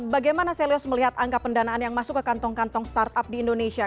bagaimana celius melihat angka pendanaan yang masuk ke kantong kantong startup di indonesia